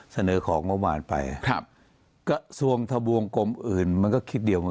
เสนอของงบประมาณไปครับก็สวงทะบวงกลมอื่นมันก็คิดเดียว